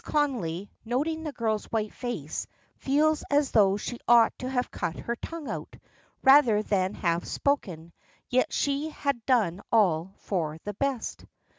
Connolly, noting the girl's white face, feels as though she ought to have cut her tongue out, rather than have spoken, yet she had done all for the best.